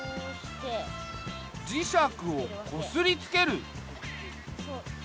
磁石をこすりつける。